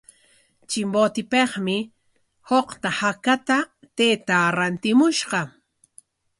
Chimbotepikmi suqta hakata taytaa rantimushqa.